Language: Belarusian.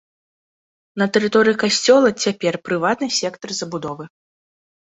На тэрыторыі касцёла цяпер прыватны сектар забудовы.